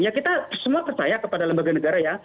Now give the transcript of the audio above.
ya kita semua percaya kepada lembaga negara ya